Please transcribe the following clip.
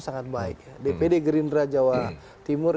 sangat baik dpd gerindra jawa timur